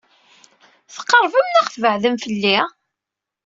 Tqeṛbem neɣ tbeɛdem fell-i?